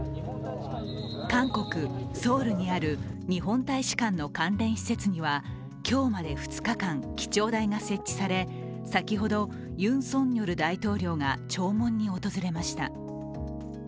韓国ソウルにある日本大使館の関連施設には今日まで２日間、記帳台が設置され先ほど、ユン・ソンニョル大統領が弔問に訪れました。